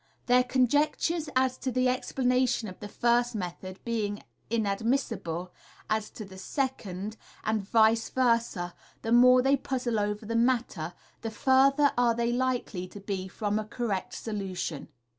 Their con» MODERN MA GIC. 205 jectures as to the explanation of the first method being inadmissible as to the second, and vice versd, the more they puzzle over the matter, the further are they likely to be from a correct solution.